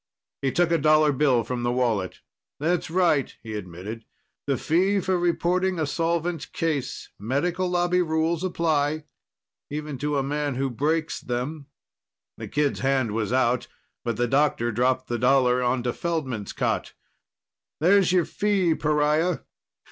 He took a dollar bill from the wallet. "That's right," he admitted. "The fee for reporting a solvent case. Medical Lobby rules apply even to a man who breaks them." The kid's hand was out, but the doctor dropped the dollar onto Feldman's cot. "There's your fee, pariah."